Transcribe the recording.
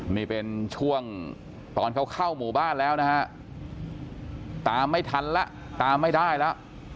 นี่เป็นช่วงตอนเขาเข้าหมู่บ้านแล้วนะฮะตามไม่ทันแล้วตามไม่ได้แล้ว